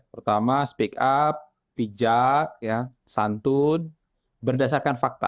pertama speak up pijak santun berdasarkan fakta